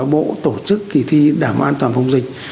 bộ tổ chức kỳ thi đảm an toàn phòng dịch